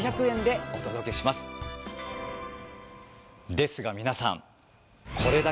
ですが皆さん。